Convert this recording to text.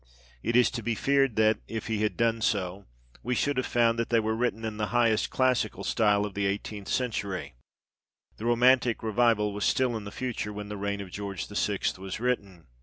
It is to be feared that, if he had done so, we should have found that they were written in the highest classical style of the eighteenth century : the romantic revival was still in the future when "The Reign of George VI." was written.